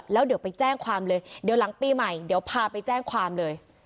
แล้วเดี๋ยวไปแจ้งความเลยเดี๋ยวหลังปีใหม่เดี๋ยวพาไปแจ้งความเลย